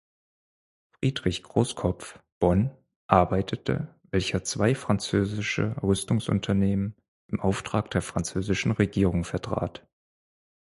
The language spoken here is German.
Friedrich Großkopf, Bonn, arbeitete, welcher zwei französische Rüstungsunternehmen im Auftrag der französischen Regierung vertrat.